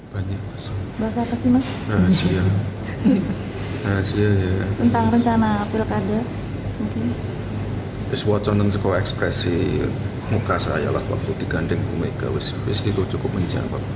koconin suka ekspresi muka saya waktu diganteng omega west itu cukup menjawab